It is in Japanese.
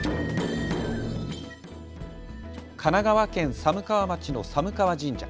神奈川県寒川町の寒川神社。